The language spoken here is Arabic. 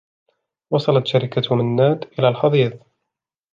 وصلت شركة منّاد إلى الحضيض.